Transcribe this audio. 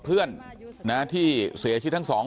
เพราะไม่เคยถามลูกสาวนะว่าไปทำธุรกิจแบบไหนอะไรยังไง